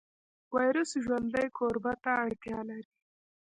ویروس ژوندي کوربه ته اړتیا لري